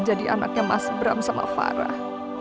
jadi anaknya mas bram sama farah